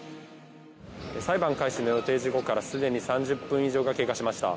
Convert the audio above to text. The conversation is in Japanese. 裁判開始の予定時刻からすでに３０分以上が経過しました。